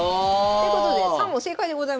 ということで３問正解でございます。